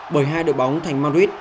bởi hai đội bóng thành madrid